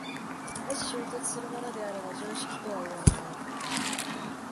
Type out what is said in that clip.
もし衝突するものであれば常識とはいわれない。